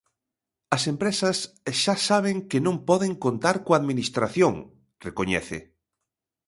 "As empresas xa saben que non poden contar coa Administración", recoñece.